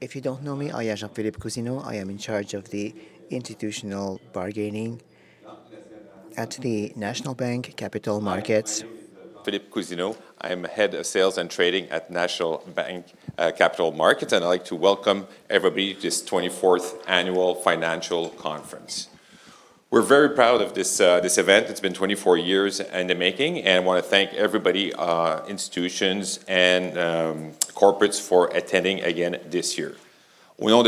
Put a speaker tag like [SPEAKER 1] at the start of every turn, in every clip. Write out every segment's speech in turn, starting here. [SPEAKER 1] If you don't know me, I am Jean-Philippe Cousineau. I am in charge of the institutional equity sales and trading at the National Bank Capital Markets. Hi, my name is Philippe Cousineau. I am head of sales and trading at National Bank Capital Markets, and I'd like to welcome everybody to this 24th annual financial conference. We're very proud of this event. It's been 24 years in the making, and I wanna thank everybody, institutions and corporates for attending again this year. On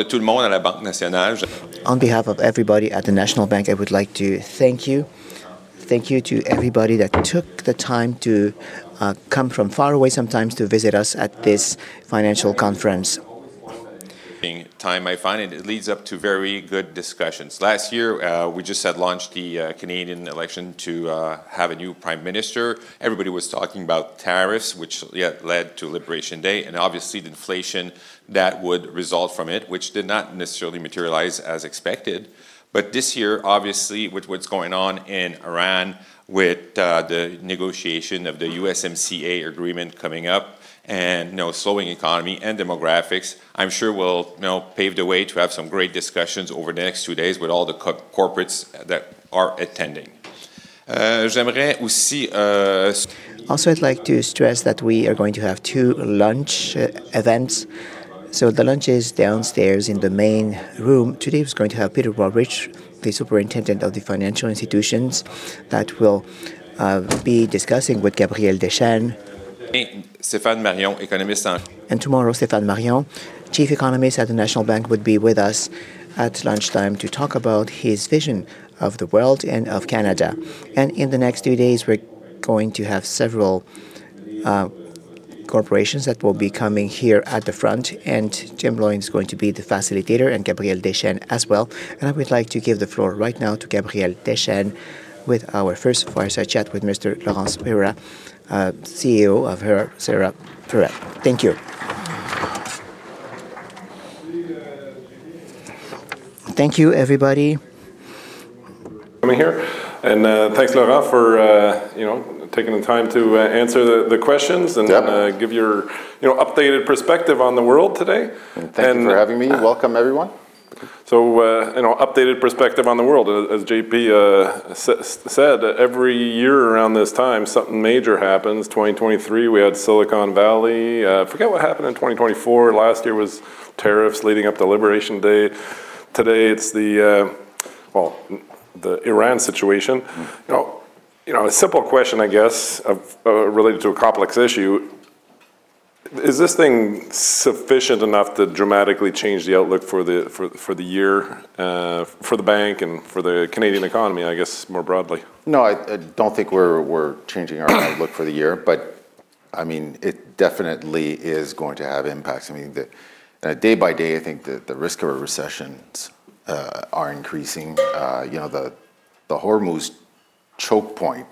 [SPEAKER 1] behalf of everybody at the National Bank, I would like to thank you. Thank you to everybody that took the time to come from far away sometimes to visit us at this financial conference. This being the time I find, and it leads up to very good discussions. Last year, we just had the Canadian election to have a new prime minister. Everybody was talking about tariffs, which, yeah, led to Liberation Day, and obviously the inflation that would result from it, which did not necessarily materialize as expected. This year, obviously, with what's going on in Iran, with the negotiation of the USMCA agreement coming up, and, you know, slowing economy and demographics, I'm sure will, you know, pave the way to have some great discussions over the next two days with all the corporates that are attending. Also, I'd like to stress that we are going to have two lunch events. The lunch is downstairs in the main room. Today, it's going to have Peter Routledge, the Superintendent of Financial Institutions, that will be discussing with Gabriel Dechaine. Stéfane Marion, Economist.
[SPEAKER 2] Tomorrow, Stéfane Marion, Chief Economist-
[SPEAKER 1] -at the National Bank, would be with us at lunchtime to talk about his vision of the world and of Canada. In the next two days, we're going to have several corporations that will be coming here at the front. Jaeme Gloyn is going to be the facilitator, and Gabriel Dechaine as well. I would like to give the floor right now to Gabriel Dechaine with our first fireside chat with Mr. Laurent Ferreira, CEO. Thank you. Thank you, everybody.
[SPEAKER 3] Coming here. Thanks, Laurent, for, you know, taking the time to answer the questions-
[SPEAKER 4] Yeah.
[SPEAKER 3] -give your, you know, updated perspective on the world today.
[SPEAKER 4] Thank you for having me. Welcome, everyone.
[SPEAKER 3] You know, updated perspective on the world. As JP said, every year around this time, something major happens. 2023, we had Silicon Valley. Forget what happened in 2024. Last year was tariffs leading up to Liberation Day. Today, it's the Iran situation.
[SPEAKER 4] Mm-hmm.
[SPEAKER 3] You know, a simple question, I guess, of, related to a complex issue. Is this thing sufficient enough to dramatically change the outlook for the year, for the bank and for the Canadian economy, I guess, more broadly?
[SPEAKER 4] No, I don't think we're changing our outlook for the year. I mean, it definitely is going to have impacts. I mean, day by day, I think the risk of a recession are increasing. You know, the Hormuz choke point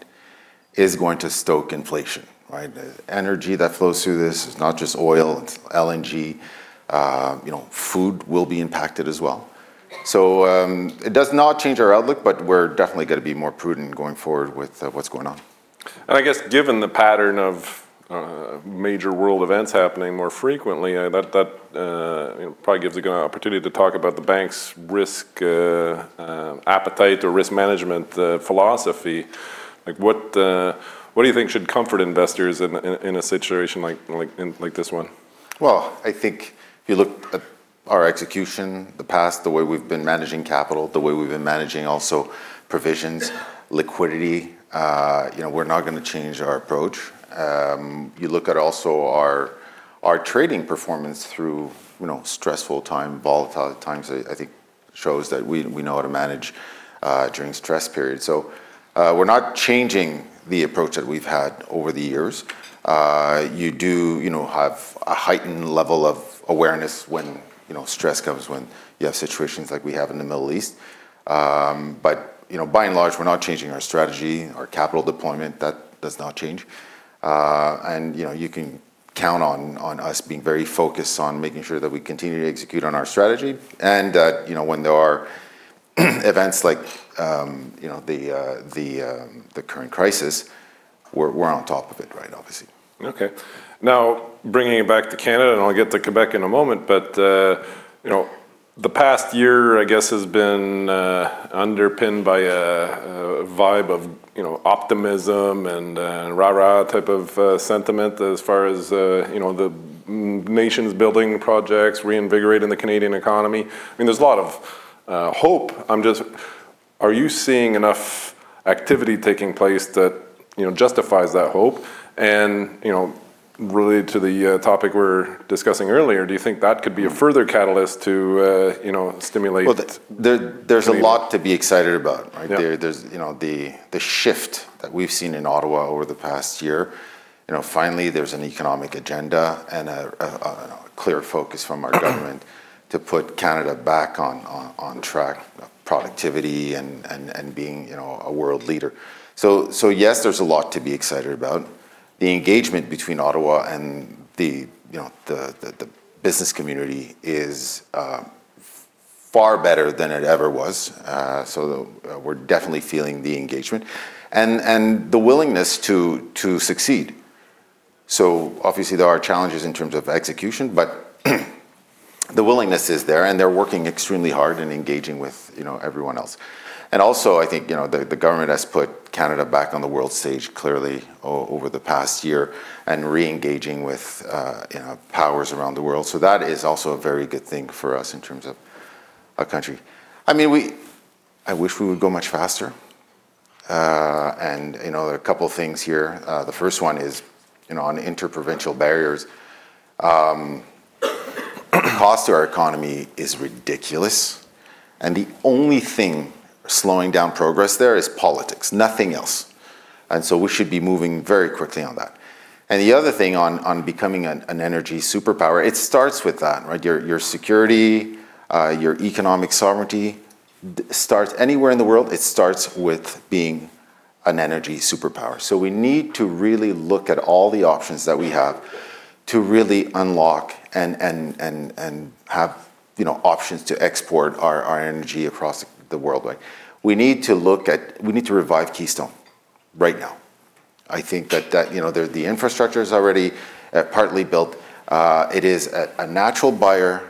[SPEAKER 4] is going to stoke inflation, right? The energy that flows through this is not just oil, it's LNG. You know, food will be impacted as well. It does not change our outlook, but we're definitely gonna be more prudent going forward with what's going on.
[SPEAKER 3] I guess given the pattern of major world events happening more frequently, that you know probably gives a good opportunity to talk about the bank's risk appetite or risk management philosophy. Like, what do you think should comfort investors in a situation like this one?
[SPEAKER 4] Well, I think if you look at our execution, the past, the way we've been managing capital, the way we've been managing also provisions, liquidity, you know, we're not gonna change our approach. You look at also our trading performance through, you know, stressful time, volatile times. I think shows that we know how to manage during stress periods. We're not changing the approach that we've had over the years. You do, you know, have a heightened level of awareness when, you know, stress comes when you have situations like we have in the Middle East. You know, by and large, we're not changing our strategy, our capital deployment. That does not change. You know, you can count on us being very focused on making sure that we continue to execute on our strategy. That, you know, when there are events like you know, the current crisis, we're on top of it, right, obviously.
[SPEAKER 3] Okay. Now, bringing it back to Canada, and I'll get to Quebec in a moment, but you know, the past year, I guess, has been underpinned by a vibe of you know, optimism and rah-rah type of sentiment as far as you know, the nation's building projects reinvigorating the Canadian economy. I mean, there's a lot of hope. I'm just... Are you seeing enough activity taking place that you know, justifies that hope? And you know, related to the topic we were discussing earlier, do you think that could be a further catalyst to you know, stimulate-
[SPEAKER 4] Well, there-
[SPEAKER 3] -the Canadian.
[SPEAKER 4] There's a lot to be excited about, right?
[SPEAKER 3] Yeah.
[SPEAKER 4] There's you know the shift that we've seen in Ottawa over the past year. You know, finally, there's an economic agenda and you know a clear focus from our government to put Canada back on track, productivity and being you know a world leader. Yes, there's a lot to be excited about. The engagement between Ottawa and the you know the business community is far better than it ever was. We're definitely feeling the engagement and the willingness to succeed. Obviously, there are challenges in terms of execution, but the willingness is there, and they're working extremely hard and engaging with you know everyone else. I think, you know, the government has put Canada back on the world stage clearly over the past year and re-engaging with, you know, powers around the world. That is also a very good thing for us in terms of our country. I mean, I wish we would go much faster. You know, a couple things here. The first one is, you know, on inter-provincial barriers, cost to our economy is ridiculous, and the only thing slowing down progress there is politics, nothing else. We should be moving very quickly on that. The other thing on becoming an energy superpower, it starts with that, right? Your security, your economic sovereignty. Anywhere in the world, it starts with being an energy superpower. We need to really look at all the options that we have to really unlock and have, you know, options to export our energy across the world. We need to revive Keystone right now. I think that you know the infrastructure's already partly built. It is a natural buyer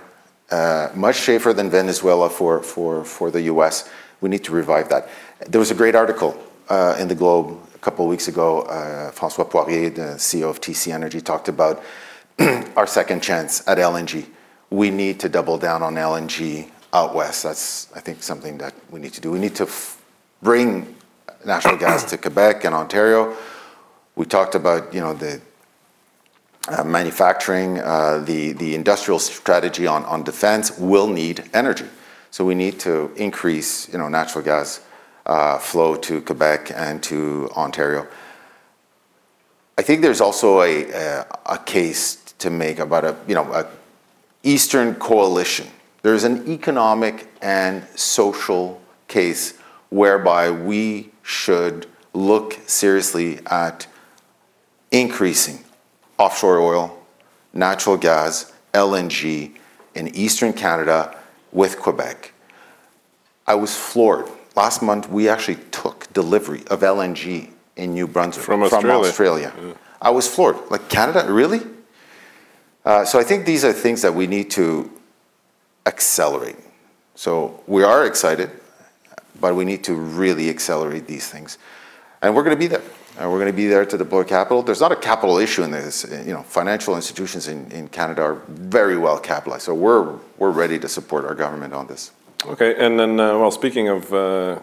[SPEAKER 4] much safer than Venezuela for the U.S. We need to revive that. There was a great article in The Globe a couple weeks ago. François Poirier, the CEO of TC Energy, talked about our second chance at LNG. We need to double down on LNG out west. That's, I think, something that we need to do. We need to bring natural gas to Quebec and Ontario. We talked about, you know, the manufacturing. The industrial strategy on defense will need energy. We need to increase, you know, natural gas flow to Quebec and to Ontario. I think there's also a case to make about a, you know, a eastern coalition. There's an economic and social case whereby we should look seriously at increasing offshore oil, natural gas, LNG in eastern Canada with Quebec. I was floored. Last month, we actually took delivery of LNG in New Brunswick.
[SPEAKER 3] From Australia.
[SPEAKER 4] From Australia.
[SPEAKER 3] Mm-hmm.
[SPEAKER 4] I was floored. Like, Canada, really? I think these are things that we need to accelerate. We are excited, but we need to really accelerate these things. We're gonna be there, and we're gonna be there to deploy capital. There's not a capital issue in this. You know, financial institutions in Canada are very well capitalized, so we're ready to support our government on this.
[SPEAKER 3] Okay, speaking of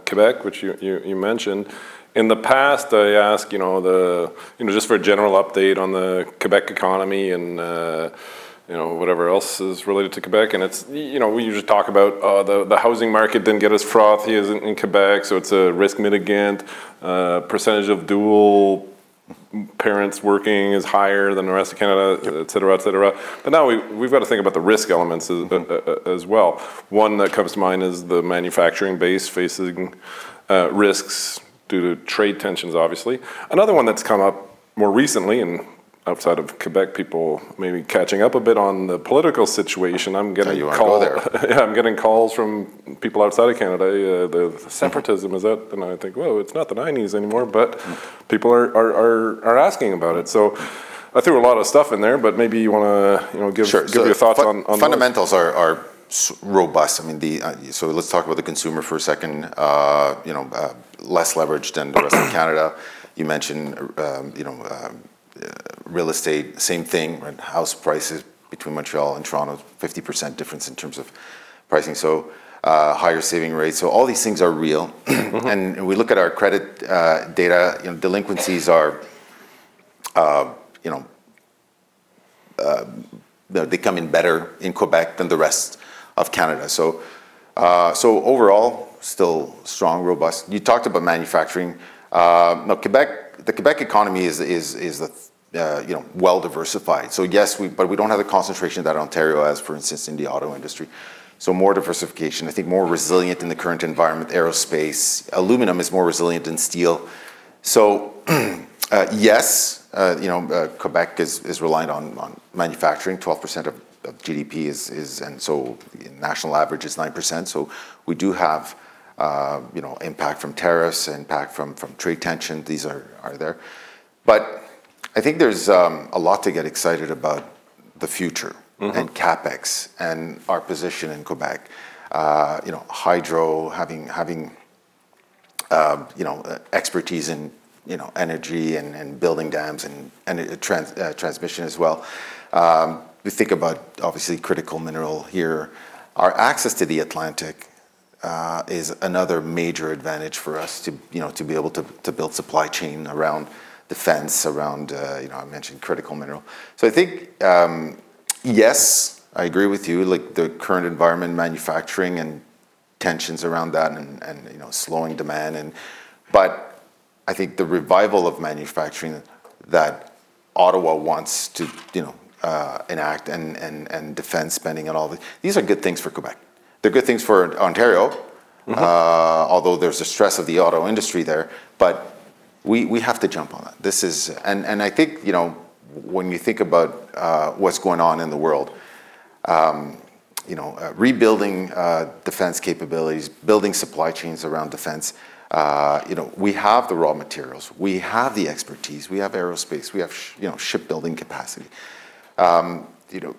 [SPEAKER 3] Quebec, which you mentioned, in the past, I ask, you know, just for a general update on the Quebec economy and, you know, whatever else is related to Quebec. It's, you know, we usually talk about the housing market didn't get as frothy as in Quebec, so it's a risk mitigant. Percentage of dual parents working is higher than the rest of Canada, etc., etc. Now we've got to think about the risk elements as well. One that comes to mind is the manufacturing base facing risks due to trade tensions, obviously. Another one that's come up more recently and outside of Quebec, people may be catching up a bit on the political situation. I'm getting a call.
[SPEAKER 4] How are you there.
[SPEAKER 3] Yeah, I'm getting calls from people outside of Canada. The separatism, is that. I think, whoa, it's not the '90s anymore. People are asking about it. I threw a lot of stuff in there, but maybe you wanna, you know, give.
[SPEAKER 4] Sure.
[SPEAKER 3] Give your thoughts on the
[SPEAKER 4] Fundamentals are robust. I mean, the... Let's talk about the consumer for a second. You know, less leveraged than the rest of Canada. You mentioned, you know, real estate, same thing. House prices between Montreal and Toronto, 50% difference in terms of pricing, so higher saving rates. All these things are real.
[SPEAKER 3] Mm-hmm.
[SPEAKER 4] We look at our credit data. You know, delinquencies are, you know, they're coming better in Quebec than the rest of Canada. So overall, still strong, robust. You talked about manufacturing. Now Quebec, the Quebec economy is, you know, well-diversified. So yes, but we don't have the concentration that Ontario has, for instance, in the auto industry. So more diversification. I think more resilient in the current environment. Aerospace. Aluminum is more resilient than steel. So yes, you know, Quebec is reliant on manufacturing. 12% of GDP is. National average is 9%, so we do have, you know, impact from tariffs, impact from trade tension. These are there. But I think there's a lot to get excited about the future.
[SPEAKER 3] Mm-hmm
[SPEAKER 4] CapEx and our position in Quebec. You know, hydro, having expertise in energy and building dams and transmission as well. We think about, obviously, critical mineral here. Our access to the Atlantic is another major advantage for us to be able to build supply chain around defense, around, you know, I mentioned critical mineral. I think, yes, I agree with you. Like, the current environment in manufacturing and tensions around that and slowing demand. I think the revival of manufacturing that Ottawa wants to enact, and defense spending and all the. These are good things for Quebec. They're good things for Ontario.
[SPEAKER 3] Mm-hmm.
[SPEAKER 4] Although there's the stress of the auto industry there. We have to jump on that. I think, you know, when you think about what's going on in the world, you know, rebuilding defense capabilities, building supply chains around defense, you know, we have the raw materials. We have the expertise. We have aerospace. We have, you know, shipbuilding capacity. You know,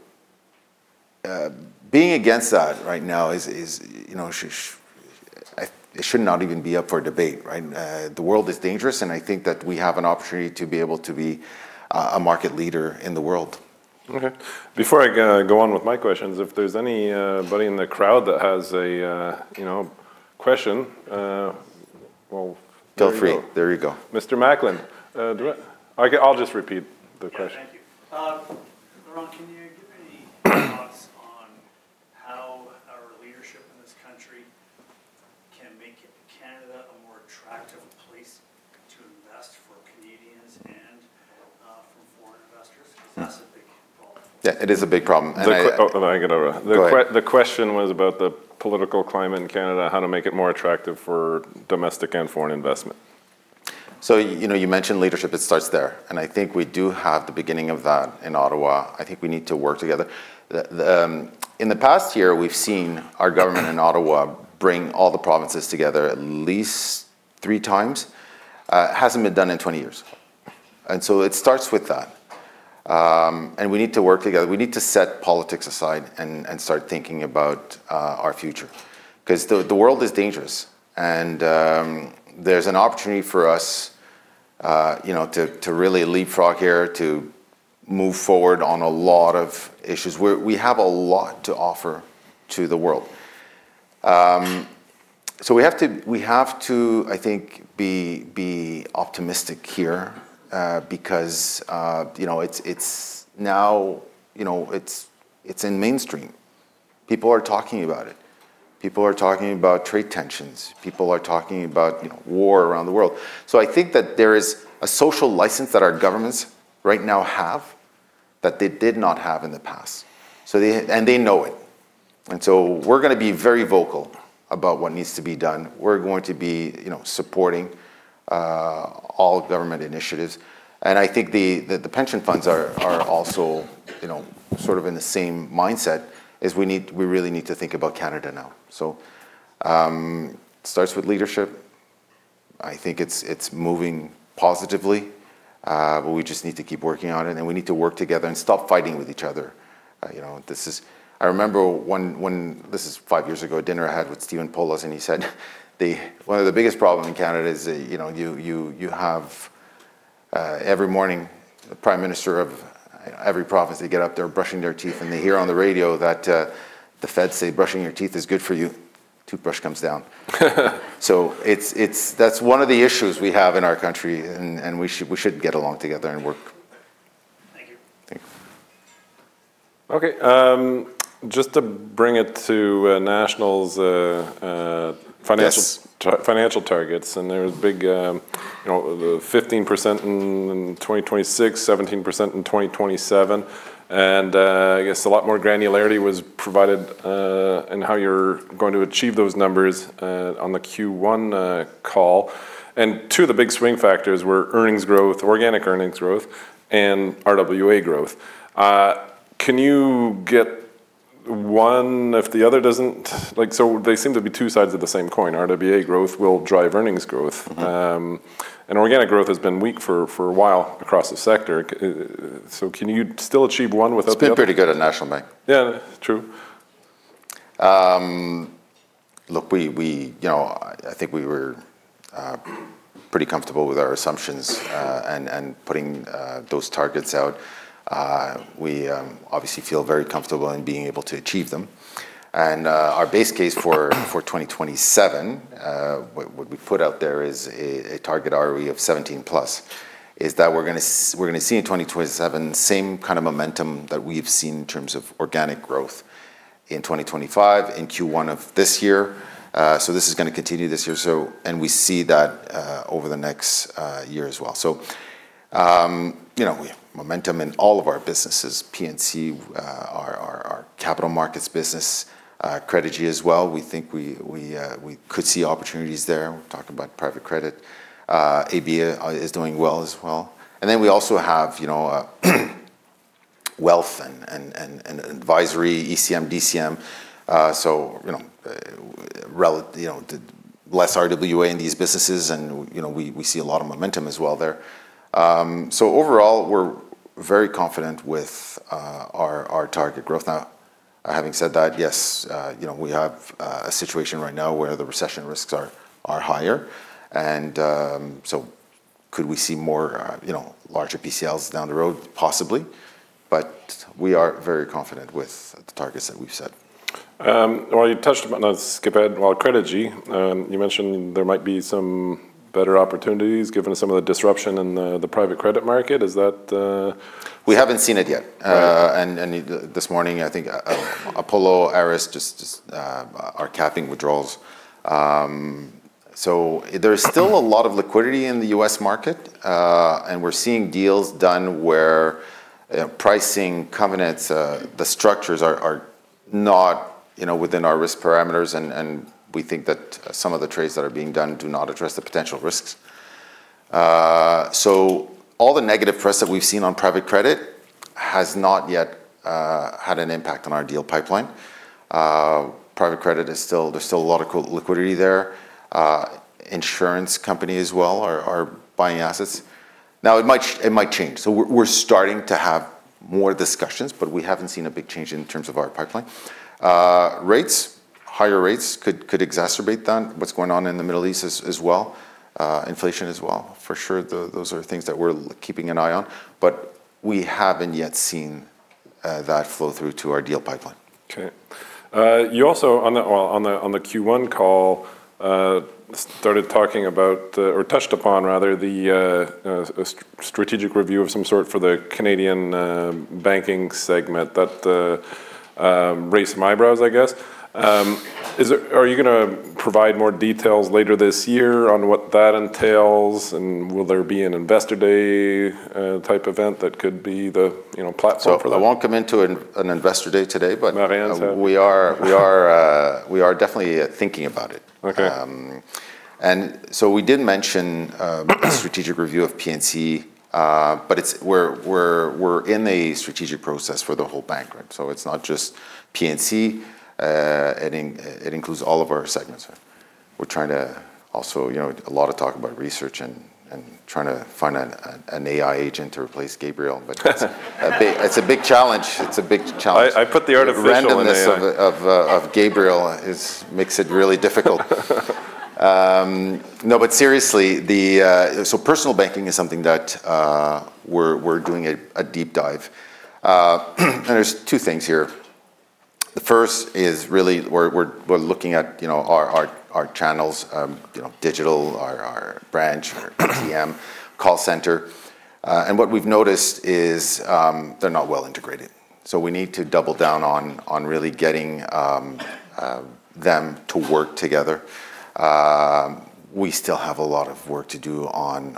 [SPEAKER 4] being against that right now is, you know, it should not even be up for debate, right? The world is dangerous, and I think that we have an opportunity to be able to be a market leader in the world.
[SPEAKER 3] Okay. Before I go on with my questions, if there's anybody in the crowd that has a, you know, question, well, there you go.
[SPEAKER 4] Feel free. There you go.
[SPEAKER 3] Mr. Macklin. Do it. I'll just repeat the question.
[SPEAKER 5] Yeah. Thank you. Laurent, can you give any thoughts on how our leadership in this country can make Canada a more attractive place to invest for Canadians and, for foreign investors? Because that's a big problem.
[SPEAKER 4] Yeah, it is a big problem.
[SPEAKER 3] Oh, I get it.
[SPEAKER 4] Go ahead.
[SPEAKER 3] The question was about the political climate in Canada, how to make it more attractive for domestic and foreign investment.
[SPEAKER 4] You know, you mentioned leadership. It starts there. I think we do have the beginning of that in Ottawa. I think we need to work together. In the past year, we've seen our government in Ottawa bring all the provinces together at least three times. It hasn't been done in 20 years. It starts with that. We need to work together. We need to set politics aside and start thinking about our future, 'cause the world is dangerous. There's an opportunity for us, you know, to really leapfrog here, to move forward on a lot of issues. We have a lot to offer to the world. We have to, I think, be optimistic here, because you know it's now you know it's in mainstream. People are talking about it. People are talking about trade tensions. People are talking about you know war around the world. I think that there is a social license that our governments right now have that they did not have in the past. They know it. We're gonna be very vocal about what needs to be done. We're going to be you know supporting all government initiatives. I think the pension funds are also you know sort of in the same mindset is we need we really need to think about Canada now. It starts with leadership. I think it's moving positively, but we just need to keep working on it, and we need to work together and stop fighting with each other. You know, I remember five years ago, a dinner I had with Stephen Poloz, and he said one of the biggest problem in Canada is that, you know, you have every morning, the prime minister of every province, they get up, they're brushing their teeth, and they hear on the radio that the feds say brushing your teeth is good for you. Toothbrush comes down. It's one of the issues we have in our country and we should get along together and work.
[SPEAKER 5] Thank you.
[SPEAKER 4] Thanks.
[SPEAKER 3] Okay. Just to bring it to National's-
[SPEAKER 4] Yes
[SPEAKER 3] -finance, financial targets, and there's big, you know, the 15% in 2026, 17% in 2027, and I guess a lot more granularity was provided in how you're going to achieve those numbers on the Q1 call. Two of the big swing factors were earnings growth, organic earnings growth, and RWA growth. Can you get one if the other doesn't? Like, so they seem to be two sides of the same coin. RWA growth will drive earnings growth.
[SPEAKER 4] Mm-hmm.
[SPEAKER 3] Organic growth has been weak for a while across the sector. Can you still achieve one without the other?
[SPEAKER 4] It's been pretty good at National Bank.
[SPEAKER 3] Yeah. True.
[SPEAKER 4] Look, we, you know, I think we were pretty comfortable with our assumptions and putting those targets out. We obviously feel very comfortable in being able to achieve them. Our base case for 2027 what we put out there is a target ROE of 17+, is that we're gonna see in 2027 the same kind of momentum that we've seen in terms of organic growth in 2025, in Q1 of this year. This is gonna continue this year. We see that over the next year as well. You know, we have momentum in all of our businesses, P&C, our capital markets business, Credigy as well. We think we could see opportunities there. We talked about private credit. ABA is doing well as well. Then we also have, you know, a wealth and advisory ECM, DCM, so, you know, less RWA in these businesses and, you know, we see a lot of momentum as well there. So overall, we're very confident with our target growth. Now, having said that, yes, you know, we have a situation right now where the recession risks are higher. So could we see more, you know, larger PCLs down the road? Possibly. We are very confident with the targets that we've set.
[SPEAKER 3] You touched. I'll skip ahead. While at Credigy, you mentioned there might be some better opportunities given some of the disruption in the private credit market. Is that-
[SPEAKER 4] We haven't seen it yet.
[SPEAKER 3] Right.
[SPEAKER 4] This morning, I think Apollo, Ares just are capping withdrawals. There is still a lot of liquidity in the U.S. market, and we're seeing deals done where pricing covenants, the structures are not, you know, within our risk parameters, and we think that some of the trades that are being done do not address the potential risks. All the negative press that we've seen on private credit has not yet had an impact on our deal pipeline. Private credit is still. There's still a lot of liquidity there. Insurance company as well are buying assets. Now it might change. We're starting to have more discussions, but we haven't seen a big change in terms of our pipeline. Higher rates could exacerbate that. What's going on in the Middle East as well, inflation as well. For sure, those are things that we're keeping an eye on, but we haven't yet seen that flow through to our deal pipeline.
[SPEAKER 3] Okay. You also, well, on the Q1 call, started talking about or touched upon rather the strategic review of some sort for the Canadian banking segment that raised some eyebrows, I guess. Are you gonna provide more details later this year on what that entails, and will there be an investor day type event that could be the, you know, platform for that?
[SPEAKER 4] I won't come into an investor day today, but-
[SPEAKER 3] Not answering.
[SPEAKER 4] We are definitely thinking about it.
[SPEAKER 3] Okay.
[SPEAKER 4] We did mention a strategic review of P&C, but we're in a strategic process for the whole bank, right? It's not just P&C. It includes all of our segments. We're trying to, you know, a lot of talk about research and trying to find an AI agent to replace Gabriel. It's a big challenge.
[SPEAKER 3] I put the artificial in AI.
[SPEAKER 4] The randomness of Gabriel makes it really difficult. No, but seriously, personal banking is something that we're looking at, you know, our channels, you know, digital, our branch, our TM call center. What we've noticed is, they're not well integrated. We need to double down on really getting them to work together. We still have a lot of work to do on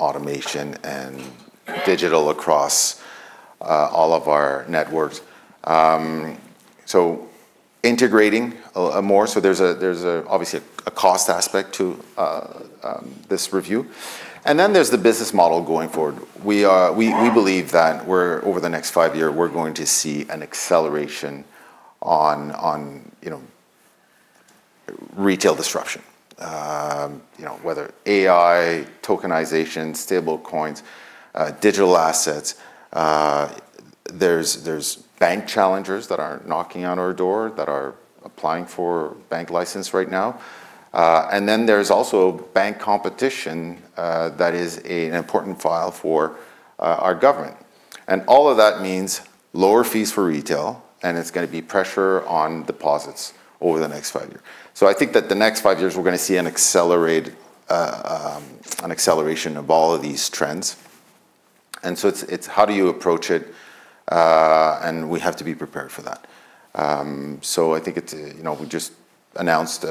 [SPEAKER 4] automation and digital across all of our networks. There's obviously a cost aspect to this review. Then there's the business model going forward. We believe that we're... Over the next five year, we're going to see an acceleration on you know, retail disruption. You know, whether AI, tokenization, stablecoins, digital assets. There's bank challengers that are knocking on our door that are applying for bank license right now. Then there's also bank competition that is an important file for our government. All of that means lower fees for retail, and it's gonna be pressure on deposits over the next five year. I think that the next five years we're gonna see an acceleration of all of these trends. It's how do you approach it, and we have to be prepared for that. I think it's you know. We just announced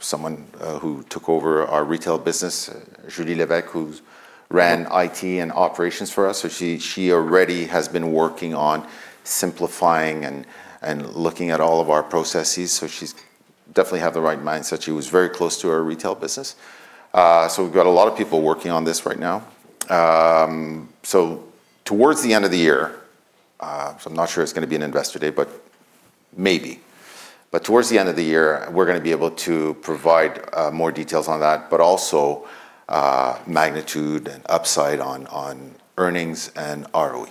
[SPEAKER 4] someone who took over our retail business, Julie Lévesque, who's ran IT and operations for us. She already has been working on simplifying and looking at all of our processes. She's definitely have the right mindset. She was very close to our retail business. We've got a lot of people working on this right now. Towards the end of the year, I'm not sure it's gonna be an investor day, but maybe. Towards the end of the year, we're gonna be able to provide more details on that, but also magnitude and upside on earnings and ROE.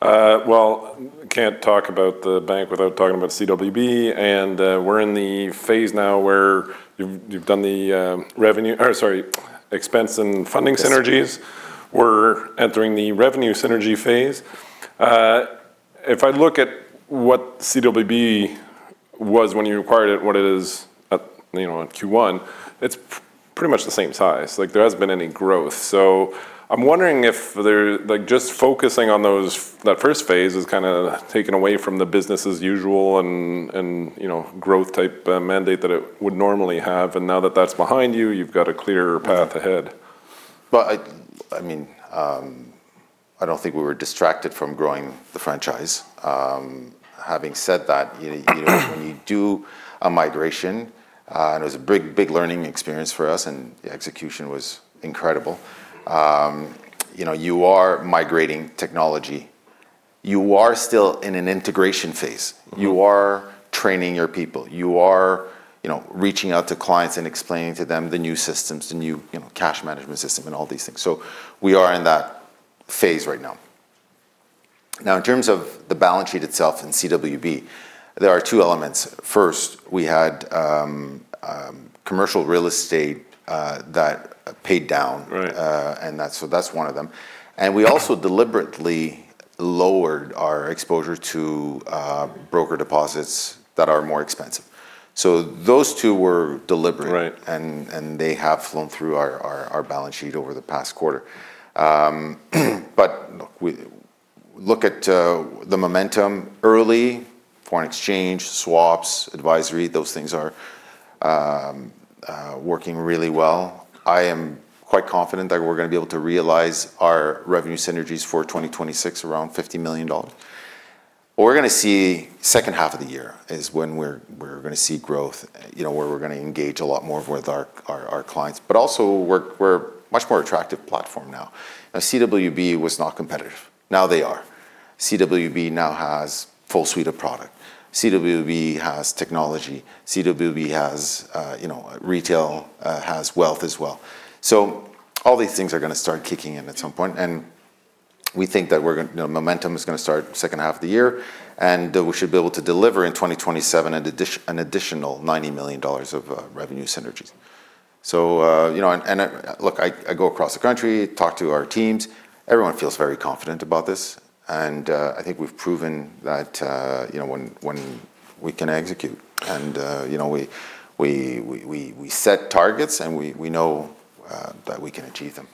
[SPEAKER 3] Well, can't talk about the bank without talking about CWB and we're in the phase now where you've done the expense and funding synergies.
[SPEAKER 4] Yes.
[SPEAKER 3] We're entering the revenue synergy phase. If I look at what CWB was when you acquired it, what it is at, you know, in Q1, it's pretty much the same size. Like, there hasn't been any growth. I'm wondering if, like, just focusing on those, that first phase is kind of taken away from the business as usual and, you know, growth type mandate that it would normally have. Now that that's behind you've got a clearer path ahead.
[SPEAKER 4] I mean, I don't think we were distracted from growing the franchise. Having said that, you know, when you do a migration, and it was a big learning experience for us, and the execution was incredible. You know, you are migrating technology. You are still in an integration phase.
[SPEAKER 3] Mm-hmm.
[SPEAKER 4] You are training your people. You are, you know, reaching out to clients and explaining to them the new systems, the new, you know, cash management system and all these things. We are in that phase right now. Now, in terms of the balance sheet itself in CWB, there are two elements. First, we had commercial real estate that paid down.
[SPEAKER 3] Right.
[SPEAKER 4] That's one of them. We also deliberately lowered our exposure to broker deposits that are more expensive. Those two were deliberate.
[SPEAKER 3] Right.
[SPEAKER 4] They have flown through our balance sheet over the past quarter. But look, we look at the momentum early, foreign exchange, swaps, advisory, those things are working really well. I am quite confident that we're gonna be able to realize our revenue synergies for 2026, around 50 million dollars. What we're gonna see second half of the year is when we're gonna see growth, you know, where we're gonna engage a lot more with our clients. But also we're much more attractive platform now. Now, CWB was not competitive. Now they are. CWB now has full suite of product. CWB has technology. CWB has, you know, retail, has wealth as well. So all these things are gonna start kicking in at some point, and we think that we're gonna. You know, momentum is gonna start second half of the year, and that we should be able to deliver in 2027 an additional 90 million dollars of revenue synergies. You know, and look, I go across the country, talk to our teams. Everyone feels very confident about this, and I think we've proven that, you know, when we can execute and, you know, we set targets, and we know that we can achieve them.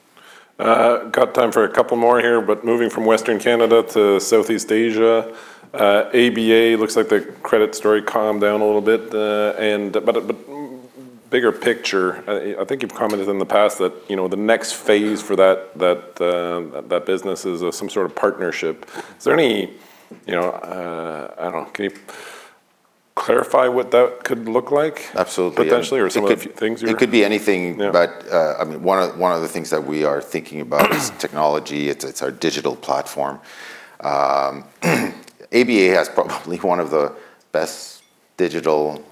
[SPEAKER 3] Got time for a couple more here, but moving from Western Canada to Southeast Asia. ABA looks like the credit story calmed down a little bit. Bigger picture, I think you've commented in the past that, you know, the next phase for that business is some sort of partnership. Is there any, you know, I don't know. Can you clarify what that could look like?
[SPEAKER 4] Absolutely.
[SPEAKER 3] Potentially or some of the few things you're.
[SPEAKER 4] It could be anything.
[SPEAKER 3] Yeah.
[SPEAKER 4] I mean, one of the things that we are thinking about is technology. It's our digital platform. ABA has probably one of the best digital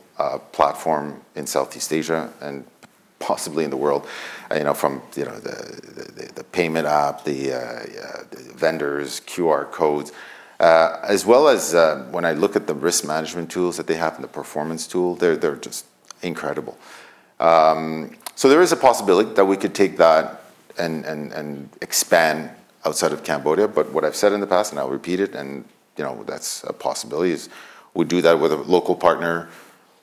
[SPEAKER 4] platform in Southeast Asia and possibly in the world, you know, from the payment app, the vendors, QR codes. As well as when I look at the risk management tools that they have and the performance tool, they're just incredible. So there is a possibility that we could take that and expand outside of Cambodia. What I've said in the past, and I'll repeat it, and you know, that's a possibility, is we do that with a local partner.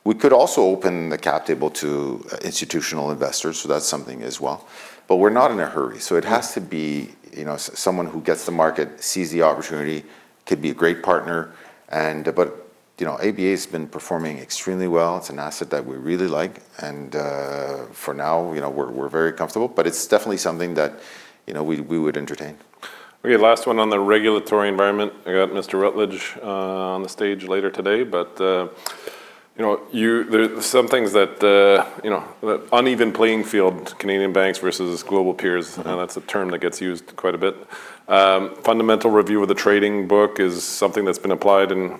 [SPEAKER 4] We could also open the cap table to institutional investors, so that's something as well. We're not in a hurry, so it has to be, you know, someone who gets the market, sees the opportunity, could be a great partner and. You know, ABA's been performing extremely well. It's an asset that we really like and, for now, you know, we're very comfortable. It's definitely something that, you know, we would entertain.
[SPEAKER 3] Okay, last one on the regulatory environment. I got Mr. Routledge on the stage later today, but you know, there's some things that you know, the uneven playing field, Canadian banks versus global peers, that's a term that gets used quite a bit. Fundamental review of the trading book is something that's been applied in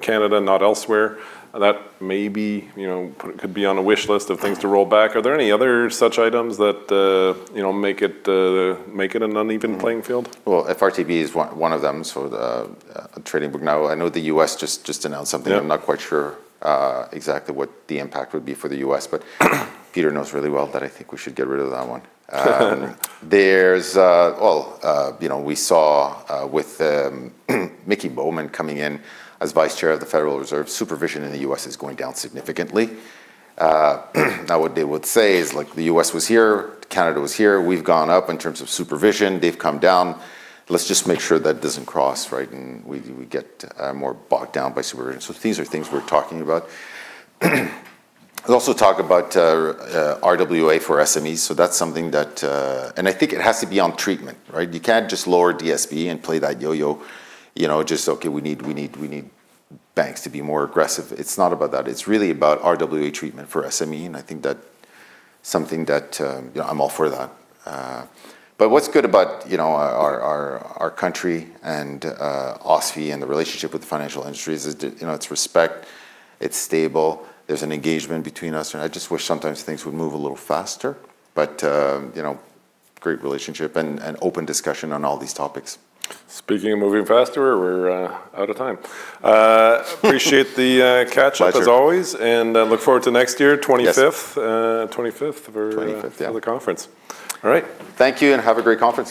[SPEAKER 3] Canada, not elsewhere. That maybe you know, could be on a wish list of things to roll back. Are there any other such items that you know, make it an uneven playing field?
[SPEAKER 4] Well, FRTB is one of them, so the trading book. Now, I know the U.S. just announced something.
[SPEAKER 3] Yeah.
[SPEAKER 4] I'm not quite sure exactly what the impact would be for the U.S., but Peter knows really well that I think we should get rid of that one. Well, you know, we saw with Michelle Bowman coming in as Vice Chair of the Federal Reserve, supervision in the U.S. is going down significantly. Now what they would say is, like, the U.S. was here, Canada was here. We've gone up in terms of supervision. They've come down. Let's just make sure that doesn't cross, right, and we get more bogged down by supervision. These are things we're talking about. Let's also talk about RWA for SMEs. That's something that I think it has to be on treatment, right? You can't just lower DSB and play that yo-yo, you know, just, okay, we need banks to be more aggressive. It's not about that. It's really about RWA treatment for SME, and I think that's something that, you know, I'm all for that. What's good about, you know, our country and, OSFI and the relationship with the financial industries is, you know, it's respect, it's stable. There's an engagement between us, and I just wish sometimes things would move a little faster. You know, great relationship and open discussion on all these topics.
[SPEAKER 3] Speaking of moving faster, we're out of time. Appreciate the catch up.
[SPEAKER 4] Pleasure.
[SPEAKER 3] As always, and I look forward to next year.
[SPEAKER 4] Yes.
[SPEAKER 3] Twenty-fifth. Uh, twenty-fifth for, uh-
[SPEAKER 4] 25th, yeah
[SPEAKER 3] -the conference. All right.
[SPEAKER 4] Thank you, and have a great conference.